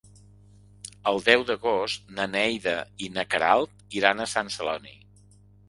El deu d'agost na Neida i na Queralt iran a Sant Celoni.